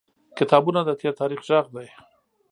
• کتابونه د تیر تاریخ غږ دی.